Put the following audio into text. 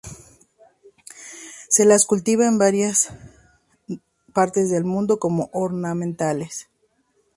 Se las cultiva en varias partes del mundo como ornamentales.